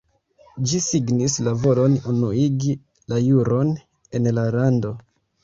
Ĝi signis la volon unuigi la juron en la lando.